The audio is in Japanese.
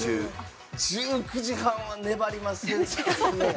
１９時半は粘りますね。